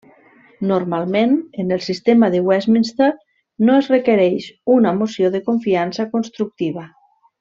Normalment, en el sistema de Westminster no es requereix una moció de confiança constructiva.